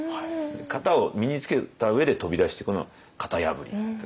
型を身につけた上で飛び出してくのが型破りという。